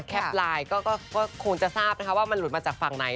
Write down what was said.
แคปไลน์ก็ควรจะทราบว่ามันหลุดมาจากฝั่งไหน